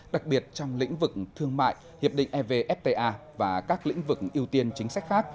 đặc biệt trong lĩnh vực thương mại hiệp định evfta và các lĩnh vực ưu tiên chính sách khác